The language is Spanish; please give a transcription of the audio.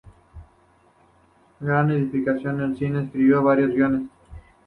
Gran aficionado al cine, escribió varios guiones.